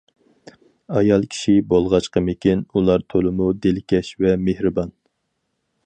ئايال كىشى بولغاچقىمىكىن، ئۇلار تولىمۇ دىلكەش ۋە مېھرىبان.